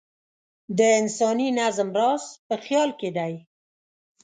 د انساني نظم راز په خیال کې دی.